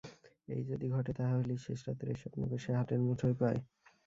এই যদি ঘটে তাহা হইলেই শেষ রাত্রের স্বপ্নকে সে হাতের মুঠায় পায়।